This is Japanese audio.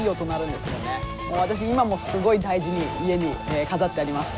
私今もすごい大事に家に飾ってあります。